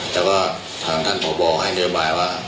แล้วก็ถามท่านผู้บอกให้เนื้อบายว่า